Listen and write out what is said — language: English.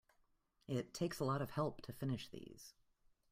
It takes a lot of help to finish these.